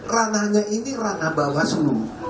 ranahnya ini ranah bawah selu